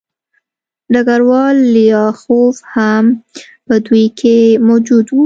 ډګروال لیاخوف هم په دوی کې موجود و